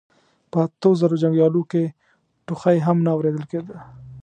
په اتو زرو جنګياليو کې ټوخی هم نه اورېدل کېده.